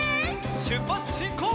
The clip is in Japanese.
しゅっぱつしんこう！